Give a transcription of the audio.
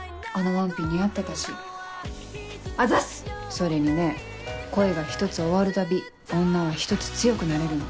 それにね恋が１つ終わるたび女は１つ強くなれるの。